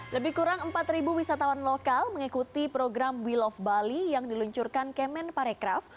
lebih kurang empat wisatawan lokal mengikuti program we love bali yang diluncurkan kemen parekraf